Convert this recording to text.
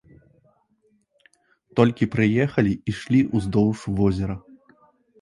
Толькі прыехалі, ішлі ўздоўж возера.